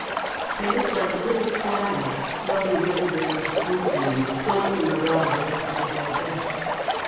They looked like little flags floating everywhere in the school room, hung from the rod at the top of our desks.